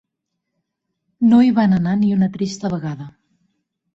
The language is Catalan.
No hi van anar ni una trista vegada.